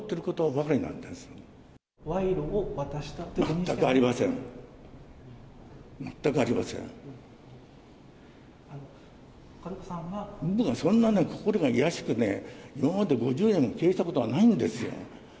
僕はそんなにね、心がいやしくね、今まで５０年も経営したことはないんですよ。